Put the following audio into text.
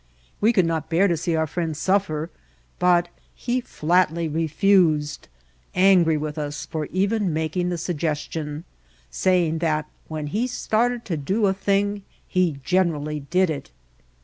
We could not bear to see our friend suffer; but he flatly re fused, angry with us for even making the sug gestion, saying that when he started to do a thing he generally did it.